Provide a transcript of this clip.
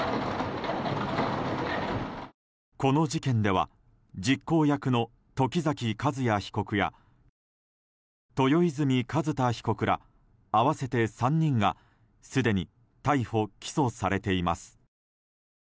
この事件では実行役の時崎和也被告や豊泉寿太被告ら、合わせて３人がすでに逮捕・起訴されています。